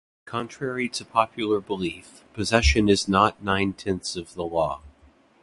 Contrary to popular belief, possession is not nine tenths of the law.